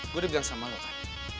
gue udah bilang sama lu kan